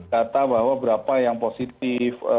data bahwa berapa yang positif